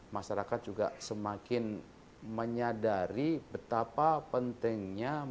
masyarakat juga semakin menyadari betapa pentingnya